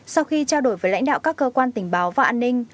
sau khi trao đổi với lãnh đạo các cơ quan tình báo và an ninh